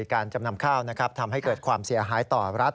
การจำนำข้าวทำให้เกิดความเสียหายต่อรัฐ